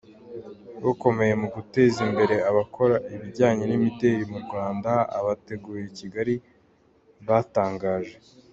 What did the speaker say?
Ukomeye mu guteza imbere abakora ibijyanye. n’imideli mu Rwanda Abateguye Kigali batangaje.